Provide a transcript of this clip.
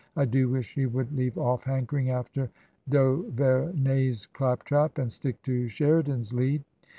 I do wish she would leave off hankering after d'Auver ney's clap trap and stick to Sheridan's lead."